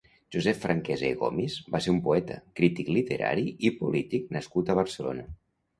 Josep Franquesa i Gomis va ser un poeta, crític literari i polític nascut a Barcelona.